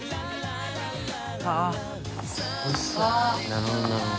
なるほどなるほど。